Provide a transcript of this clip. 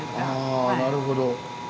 あなるほど。